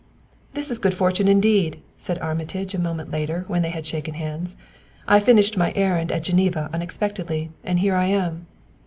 "This is good fortune, indeed," said Armitage a moment later when they had shaken hands. "I finished my errand at Geneva unexpectedly and here I am."